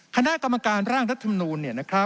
คณะกรรมการร่างรัฐมนูล